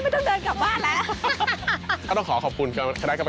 สุดยอดเอกชันมากมายวะ